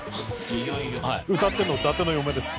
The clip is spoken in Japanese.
歌ってるの伊達の嫁です。